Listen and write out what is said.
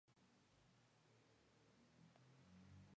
Tiene un papel cómo profesora de escuela primaria en Melrose Place.